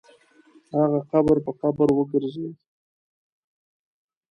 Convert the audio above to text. هغه قبر په قبر وګرځېد.